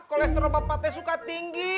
kolesterol bapak teh suka tinggi